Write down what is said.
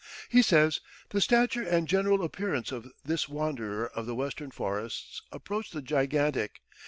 He says: "The stature and general appearance of this wanderer of the Western forests approached the gigantic.